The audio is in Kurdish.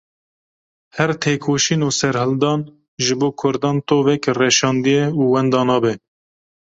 Her têkoşîn û serhildan ji bo kurdan tovek reşandiye û wenda nabe.